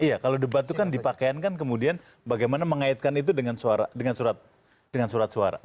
iya kalau debat itu kan dipakaian kan kemudian bagaimana mengaitkan itu dengan surat suara